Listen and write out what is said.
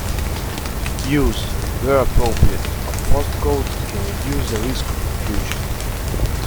Use, where appropriate, of postcodes can reduce the risk of confusion.